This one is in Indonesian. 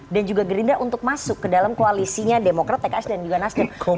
dan juga gerindra untuk masuk ke dalam koalisinya demokrat pks dan juga nasdem